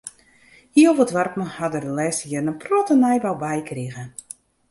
Hiel wat doarpen ha der de lêste jierren in protte nijbou by krige.